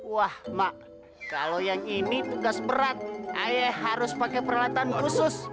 wah mak kalau yang ini tugas berat ayah harus pakai peralatan khusus